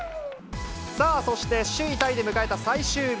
さあ、そして首位タイで迎えた最終日。